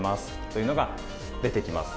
というのが出てきます。